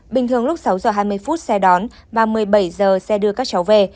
bình thường lúc sáu giờ hai mươi phút xe đón và một mươi bảy giờ xe đưa các cháu về